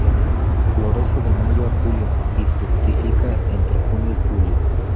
Florece de mayo a julio y fructifica entre junio y julio.